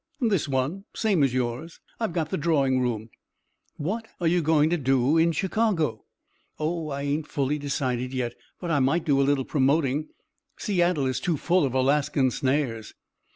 "This one same as yours. I've got the drawing room." "What are you going to do in Chicago?" "Oh, I ain't fully decided yet, but I might do a little promoting. Seattle is too full of Alaskan snares."